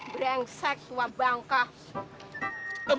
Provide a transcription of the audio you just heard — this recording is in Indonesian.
brengsek tua bangka